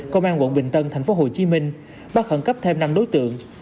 công an quận bình tân thành phố hồ chí minh bắt khẩn cấp thêm năm đối tượng